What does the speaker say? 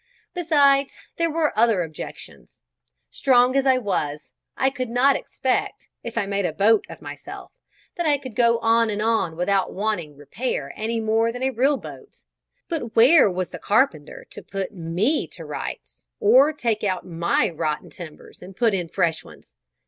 Besides, there were other objections. Strong as I was, I could not expect, if I made a boat of myself, that I could go on and on without wanting repair any more than a real boat; but where was the carpenter to put me to rights, or take out my rotten timbers and put in fresh ones.